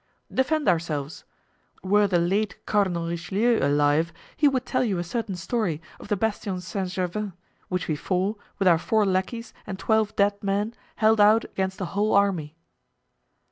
"Defend ourselves. Were the late Cardinal Richelieu alive he would tell you a certain story of the Bastion Saint Gervais, which we four, with our four lackeys and twelve dead men, held out against a whole army."